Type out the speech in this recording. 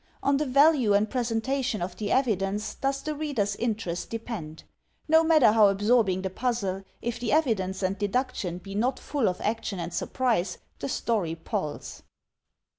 On the value and presentation of the evidence does the reader*s interest depend. No matter how absorbing the puzzle, if the evi dence and deduction be not full of action and surprise the story palls.